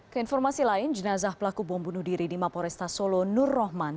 keinformasi lain jenazah pelaku bom bunuh diri di maporesta solo nur rohman